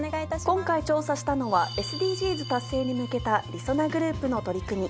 今回調査したのはＳＤＧｓ達成に向けたりそなグループの取り組み